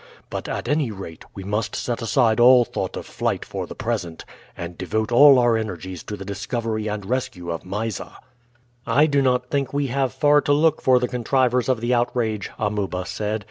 But, at any rate, we must set aside all thought of flight for the present, and devote all our energies to the discovery and rescue of Mysa." "I do not think we have far to look for the contrivers of the outrage," Amuba said.